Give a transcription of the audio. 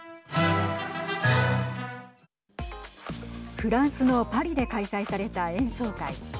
フランスのパリで開催された演奏会。